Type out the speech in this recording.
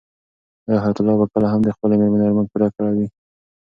آیا حیات الله به کله هم د خپلې مېرمنې ارمان پوره کړی وي؟